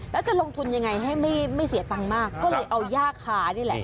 แล้วจะลงทุนยังไงให้ไม่เสียตังค์มากก็เลยเอาย่าคานี่แหละ